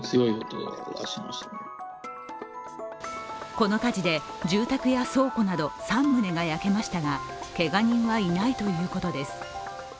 この火事で住宅や倉庫など３棟が焼けましたが、けが人はいないということです。